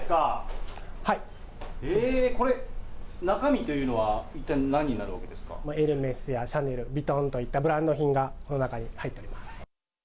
えー、これ、中身というのは、エルメスやシャネル、ヴィトンといったブランド品が、この中に入っています。